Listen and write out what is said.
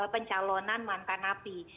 pencalonan mantan api